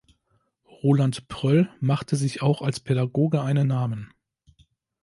Roland Pröll machte sich auch als Pädagoge einen Namen.